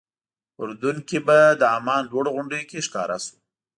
اردن کې به د عمان لوړو غونډیو کې ښکاره شو.